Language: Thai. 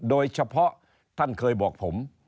โดยเฉพาะท่านเคยบอกผม